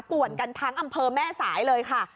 ป่วนกันทั้งอำเภอแม่สายเลยค่ะ